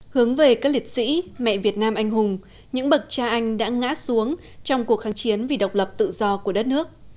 hướng về các liệt sĩ mẹ việt nam anh hùng những bậc cha anh đã ngã xuống trong cuộc kháng chiến vì độc lập tự do của đất nước